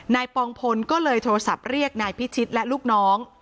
ปองพลก็เลยโทรศัพท์เรียกนายพิชิตและลูกน้อง